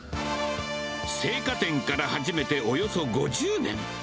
青果店から始めておよそ５０年。